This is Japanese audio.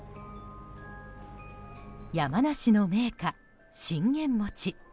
山梨の銘菓・信玄餅。